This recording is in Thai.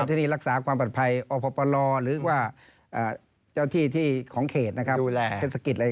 อย่างที่บอกว่าถ้าฝ่าฟื้นขูไว้ไหนหนึ่งดีไหม